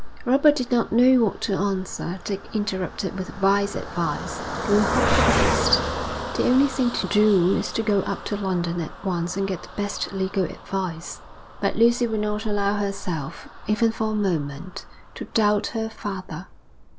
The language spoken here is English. Robert did not know what to answer. Dick interrupted with wise advice. 'We'll hope for the best. The only thing to do is to go up to London at once and get the best legal advice.' But Lucy would not allow herself, even for a moment, to doubt her father.